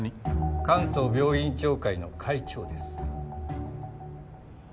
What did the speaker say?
関東病院長会の会長です。